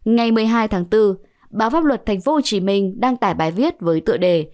ngày một mươi hai tháng bốn báo pháp luật tp hcm đăng tải bài viết với tựa đề